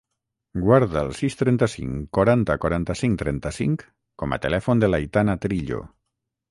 Guarda el sis, trenta-cinc, quaranta, quaranta-cinc, trenta-cinc com a telèfon de l'Aitana Trillo.